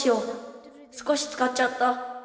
少しつかっちゃった。